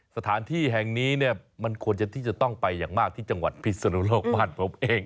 สถานที่แห่งนี้เนี่ยมันควรจะที่จะต้องไปอย่างมากที่จังหวัดพิศนุโลกบ้านผมเอง